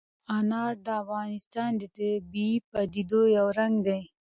انار د افغانستان د طبیعي پدیدو یو رنګ دی.